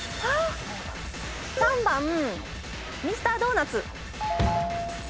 ３番ミスタードーナツ。